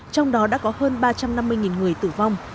trong đó đã có hơn ba trăm năm mươi người tử vong